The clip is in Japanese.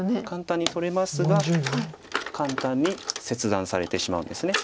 簡単に取れますが簡単に切断されてしまうんです。